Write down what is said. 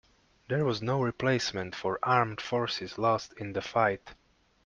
There was no replacement for armed forces lost in the fight.